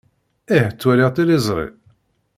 Eh, ttwaliɣ tiliẓri.